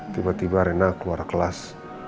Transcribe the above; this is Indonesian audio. tiba tiba rena keluar kelas